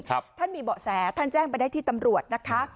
ท่านมีเบาะแสท่านแจ้งไปได้ที่ตำรวจนะคะ